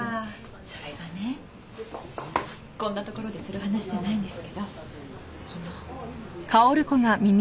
それがねこんなところでする話じゃないんですけど昨日。